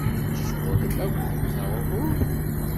Tceɣlem akk, neɣ uhu?